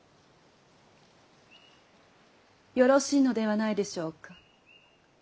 よろしいのではないでしょうか。